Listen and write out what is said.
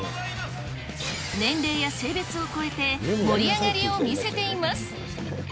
年齢や性別を超えて、盛り上がりを見せています。